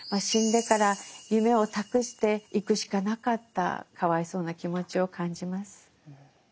死んでから夢を託していくしかなかったかわいそうな気持ちを感じます。